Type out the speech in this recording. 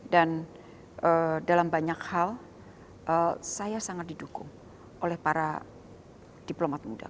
dan dalam banyak hal saya sangat didukung oleh para diplomat muda